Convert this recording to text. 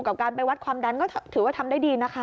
กับการไปวัดความดันก็ถือว่าทำได้ดีนะคะ